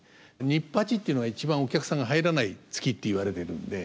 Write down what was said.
ニッパチっていうのが一番お客さんが入らない月って言われてるんで。